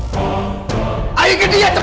tadi kek tadi kek